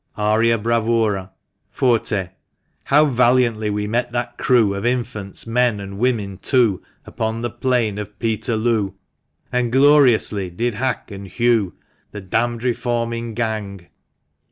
AKIA BRAVURA. Forte. How valiantly we met that crew Of infants, men, and women too, Upon the plain of Peterloo: And gloriously did hack and hew The d d reforming gang.